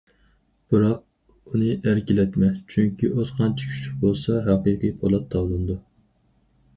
بىراق، ئۇنى ئەركىلەتمە، چۈنكى ئوت قانچە كۈچلۈك بولسا، ھەقىقىي پولات تاۋلىنىدۇ.